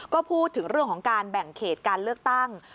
ก็พูดถึงเรื่องของการแบ่งเขตการเลือกตั้ง